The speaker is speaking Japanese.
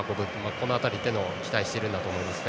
この辺りというのを期待しているんだと思いますね。